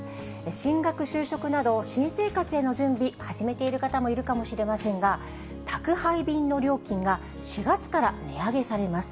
進学、就職など、新生活への準備、始めている方もいるかもしれませんが、宅配便の料金が４月から値上げされます。